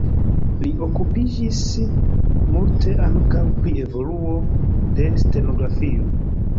Li okupiĝis multe ankaŭ pri evoluo de stenografio.